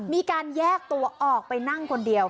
มีการแยกตัวออกไปนั่งคนเดียว